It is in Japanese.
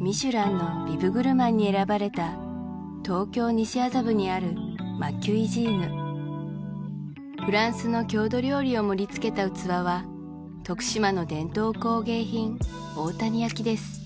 ミシュランのビブグルマンに選ばれた東京・西麻布にあるＭａＣｕｉｓｉｎｅフランスの郷土料理を盛りつけた器は徳島の伝統工芸品大谷焼です